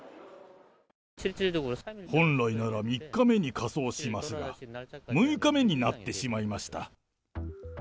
本来なら３日目に火葬しますが、６日目になってしまいました。